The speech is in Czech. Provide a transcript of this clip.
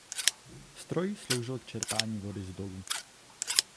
Stroj sloužil k čerpání vody z dolů.